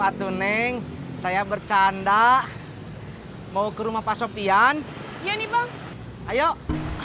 atuneng saya bercanda mau ke rumah pasok yan iya nih bang ayo ya udah